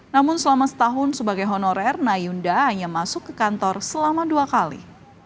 namun selama setahun sebagai honorer nayunda hanya masuk ke kantor selama dua kali